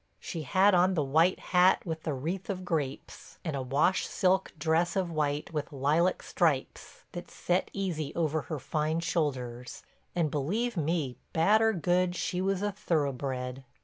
She had on the white hat with the wreath of grapes and a wash silk dress of white with lilac stripes that set easy over her fine shoulders, and, believe me, bad or good, she was a thoroughbred.